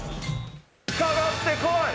かかってこい！